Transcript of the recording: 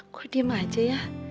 kok diem aja ya